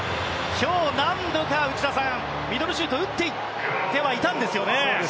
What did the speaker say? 今日、何度かミドルシュートを打ってはいたんですよね。